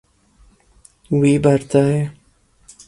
Wî berdaye.